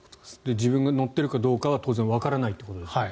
自分が載っているかどうかは当然わからないということですからね。